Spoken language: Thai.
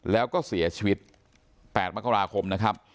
แล้วก็เสียชีวิต๘มกราคมนะครับ